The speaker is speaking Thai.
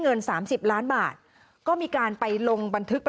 เห็นว่ามีโอกาสที่จะได้เงินคืน